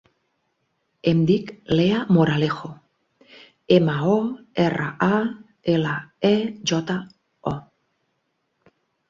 Em dic Leah Moralejo: ema, o, erra, a, ela, e, jota, o.